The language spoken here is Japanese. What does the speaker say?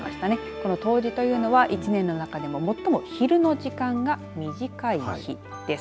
この冬至というのは１年中でも最も日の時間が短い日です。